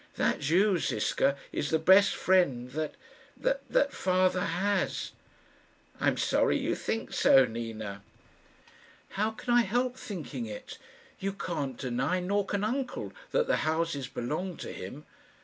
That Jew, Ziska, is the best friend that that that father has." "I'm sorry you think so, Nina." "How can I help thinking it? You can't deny, nor can uncle, that the houses belong to him.